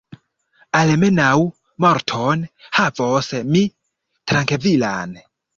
Almenaŭ morton havos mi trankvilan.